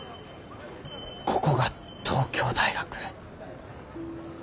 ここが東京大学。